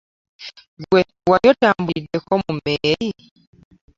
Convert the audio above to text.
Gwe wali otambuliddeko mu mmeeri?